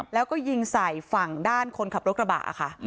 แล้วก็ยิงใส่ฝั่งด้านคนขับรถกระบะค่ะ